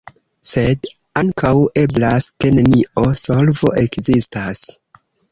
Sed ankaŭ eblas, ke nenio solvo ekzistas.